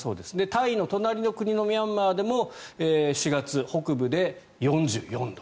タイの隣の国のミャンマーでも４月、北部で４４度。